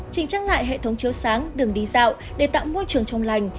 trình trang lại hệ thống chiếu sáng đường đi dạo để tạo môi trường trong lành